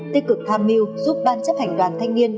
tích cực tham mưu giúp ban chấp hành đoàn thanh niên